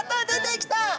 出てきた！